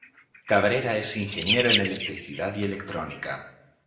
Cabrera es ingeniero en electricidad y electrónica.